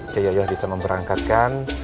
ciyoyo bisa memberangkatkan